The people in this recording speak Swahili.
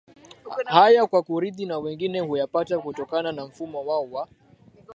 haya kwa kurithi na wengine huyapata kutokana na mfumo wao wa